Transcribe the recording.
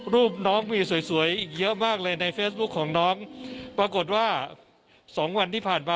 รูปน้องมีสวยสวยเยอะมากเลยในเฟซบุ๊คของน้องปรากฏว่าสองวันที่ผ่านมา